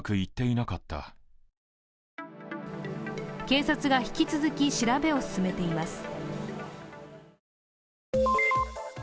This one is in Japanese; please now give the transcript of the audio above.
警察が引き続き調べを進めています。